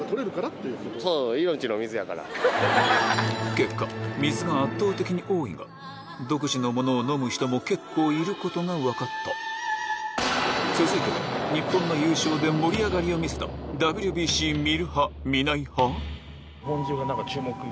結果水が圧倒的に多いが独自のものを飲む人も結構いることが分かった続いては日本の優勝で盛り上がりを見せた世界初！